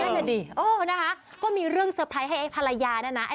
อ๋อนั่นน่ะดีโอ้นะฮะก็มีเรื่องสเปรย์ให้ไอ้ภรรยาน่ะนะ